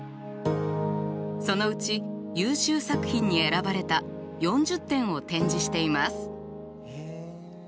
そのうち優秀作品に選ばれた４０点を展示しています。